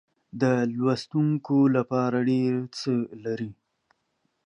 د لوستونکو لپاره ډېر څه لري.